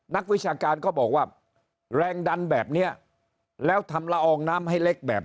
วิชาการเขาบอกว่าแรงดันแบบเนี้ยแล้วทำละอองน้ำให้เล็กแบบ